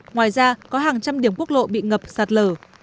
ngoài ra có hàng trăm điểm quốc lộ bị ngập sạt lở